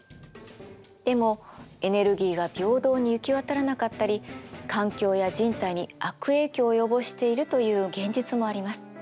でもエネルギーが平等に行き渡らなかったり環境や人体に悪影響を及ぼしているという現実もあります。